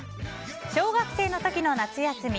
小学生の時の夏休み